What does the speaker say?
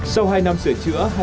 sau hai năm sửa chữa